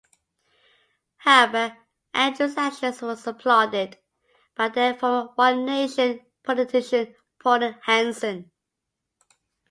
However, Andrews' actions were applauded by then former One Nation politician, Pauline Hanson.